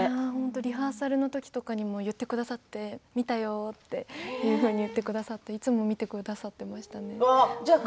リハーサルの時とかにも言ってくださって見たよって言ってくださっていつも見てくださっていましたね。